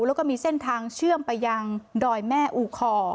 แล้วก็มีเส้นทางเชื่อมไปยังดอยแม่อูคอ